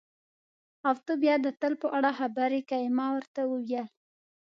او ته بیا د تل په اړه خبرې کوې، ما ورته وویل.